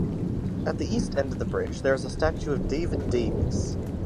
At the east end of the bridge there is a statue of David Davies.